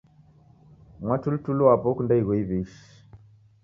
Mwatulituli wapo okunda igho iwi'shi